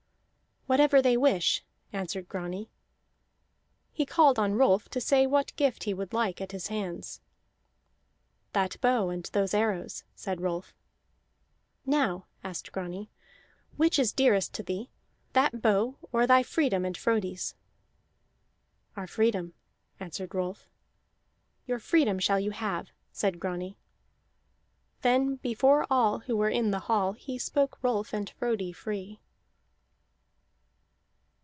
"Whatever they wish," answered Grani. He called on Rolf to say what gift he would like at his hands. "That bow and those arrows," said Rolf. "Now," asked Grani, "which is dearest to thee, that bow, or thy freedom and Frodi's?" "Our freedom," answered Rolf. "Your freedom shall you have," said Grani. Then, before all who were in the hall, he spoke Rolf and Frodi free.